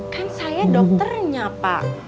kan saya dokternya pak